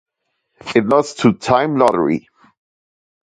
It lost to "Time Lottery".